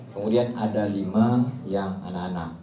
kemudian ada lima yang anak anak